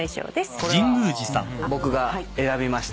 これは僕が選びました。